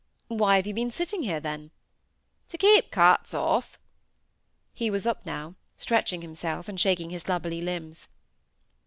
"Why have you been sitting here, then?" "T' keep carts off." He was up now, stretching himself, and shaking his lubberly limbs.